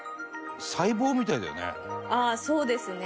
細胞みたいだよね。